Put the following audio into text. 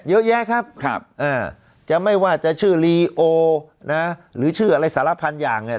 เยอะแยะครับครับอ่าจะไม่ว่าจะชื่อลีโอนะหรือชื่ออะไรสารพันอย่างเนี่ย